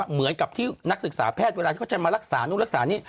เหมือนกับที่นักศึกษาแพทย์เวลาที่เขาจะมารักษานู่นรักษานี่